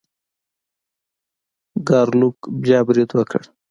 ګارلوک بیا برید وکړ.